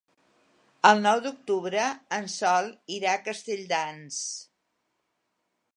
El nou d'octubre en Sol irà a Castelldans.